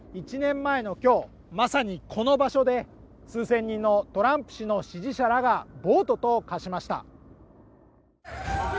１年前の今日、まさにこの場所で数千人のトランプ氏の支持者らが暴徒と化しました。